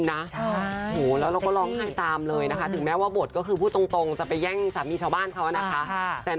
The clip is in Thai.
หนูก็ปังมากเลยนะคะ